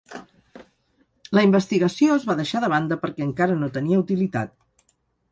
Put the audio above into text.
La investigació es va deixar de banda perquè encara no tenia utilitat.